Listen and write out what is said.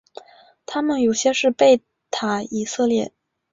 他们有些是贝塔以色列。